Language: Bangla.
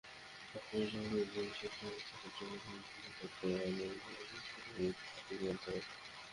তবে বিবাহবিচ্ছেদ কার্যকর করতে হলে আইন অনুযায়ী কিছু পদ্ধতি মানতে হবে।